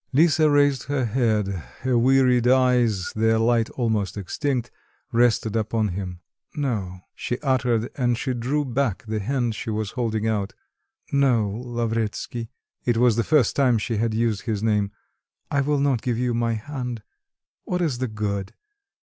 Lisa raised her head, her wearied eyes, their light almost extinct, rested upon him.... "No," she uttered, and she drew back the hand she was holding out. "No, Lavretsky (it was the first time she had used this name), I will not give you my hand. What is the good?